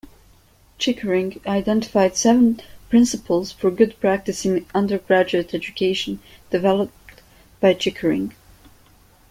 Chickering identified seven principles for good practice in undergraduate education developed by Chickering.